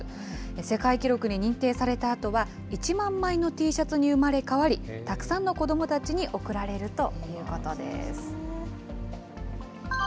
世界記録に認定されたあとは、１万枚のＴシャツに生まれ変わり、たくさんの子どもたちに贈られるということです。